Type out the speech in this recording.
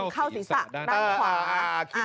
เข้าศีรษะด้านขวา